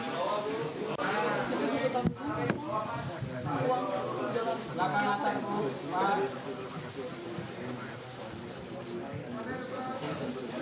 nanti kami buka dua sesi tanya jawab masing masing maksimal tiga penanya untuk sesinya